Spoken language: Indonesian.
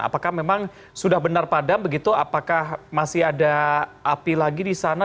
apakah memang sudah benar padam begitu apakah masih ada api lagi di sana